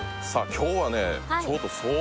今日はね